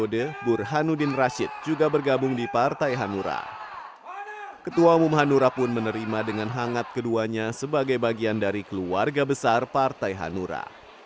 dan sekarang dengan banyak yang bergabung di kabupaten sambas usman sabtaudang terus merapatkan jatah kursi dpr ri